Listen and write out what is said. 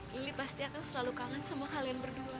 lili pasti akan selalu kangen sama kalian berdua